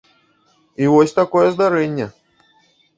І вось такое здарэнне!